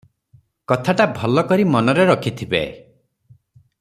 କଥାଟା ଭଲ କରି ମନରେ ରଖିଥିବେ ।